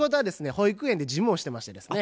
保育園で事務をしてましてですね。